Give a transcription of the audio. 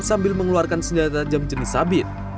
sambil mengeluarkan senjata tajam jenis sabit